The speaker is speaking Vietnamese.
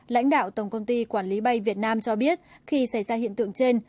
lãnh đạo tổng công ty quản lý bay việt nam cho biết khi xảy ra hiện tượng trên